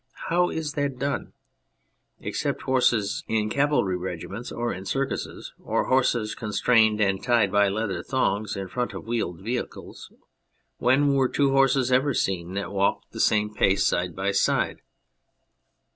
How is that done? Except horses in cavalry regiments or in circuses, or horses constrained and tied by leather thongs in front of wheeled vehicles, when were two horses ever seen that walked the same 40 On People in Books pace side by side